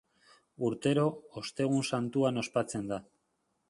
Urtero, Ostegun Santuan ospatzen da.